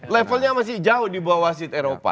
levelnya masih jauh di bawah wasit eropa